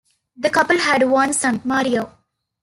The couple had one son, Mario.